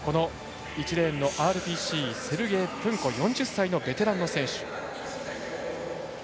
１レーンのＲＰＣセルゲイ・プンコ、４０歳のベテランの選手。